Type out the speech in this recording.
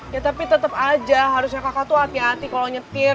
ya tapi tetap aja harusnya kakak tuh hati hati kalau nyetir